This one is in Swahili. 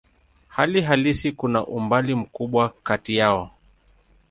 Hali halisi kuna umbali mkubwa kati yao.